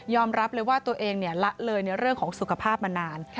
รับเลยว่าตัวเองละเลยในเรื่องของสุขภาพมานาน